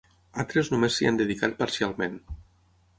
Altres només s'hi han dedicat parcialment.